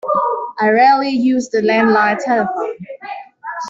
I rarely use the landline telephone.